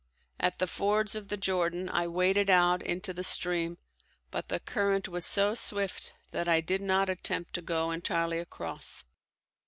At the fords of the Jordan I waded out into the stream but the current was so swift that I did not attempt to go entirely across.